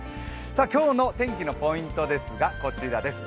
今日の天気のポイントですが、こちらです。